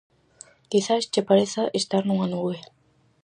Quizais che pareza estar nunha nube.